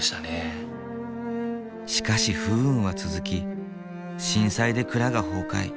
しかし不運は続き震災で蔵が崩壊。